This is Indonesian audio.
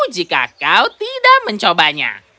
jika kau tidak mencobanya